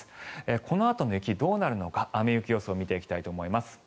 このあとの雪、どうなるのか雨・雪予想を見ていきたいと思います。